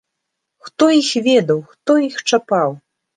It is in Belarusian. Хто іх ведаў, хто іх чапаў!